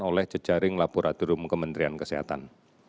oleh jejaring laboratorium kementerian kesehatan